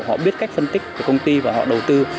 họ biết cách phân tích của công ty và họ đầu tư